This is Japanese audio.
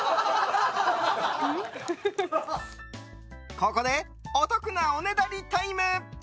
ここで、お得なおねだりタイム。